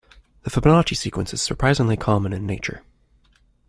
The Fibonacci sequence is surprisingly common in nature.